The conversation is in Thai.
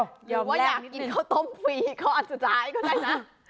หรือว่าอยากกินข้าวต้มฟรีเขาอันสุดท้ายก็ได้นะ